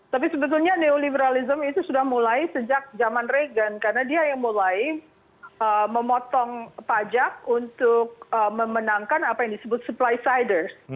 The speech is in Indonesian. tapi sebetulnya neoliberalism itu sudah mulai sejak zaman reagan karena dia yang mulai memotong pajak untuk memenangkan apa yang disebut supply siders